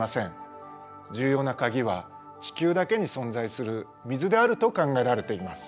重要な鍵は地球だけに存在する水であると考えられています。